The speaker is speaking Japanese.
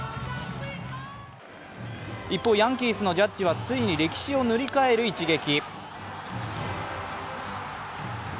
一方、ヤンキースのジャッジはついに歴史を塗り替える一撃。